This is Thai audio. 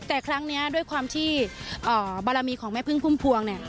แต่ครั้งนี้ด้วยความที่บารมีของแม่พึ่งพุ่มพวงเนี่ย